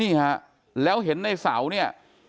นี่ฮะแล้วเห็นในเสาเนี่ย